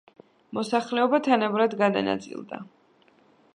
მოსახლეობა თანაბრად გადანაწილდა.